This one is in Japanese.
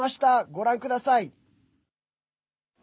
ご覧ください。